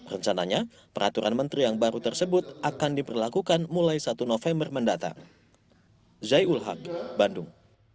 rencananya peraturan menteri yang baru tersebut akan diperlakukan mulai satu november mendatang